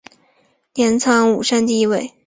镰仓五山第一位。